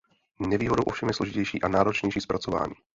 Nevýhodou ovšem je složitější a náročnější zpracování.